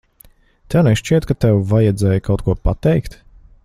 Tev nešķiet, ka tev vajadzēja kaut ko pateikt?